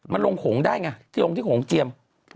มันลงโผงได้ไงที่โผงเจียม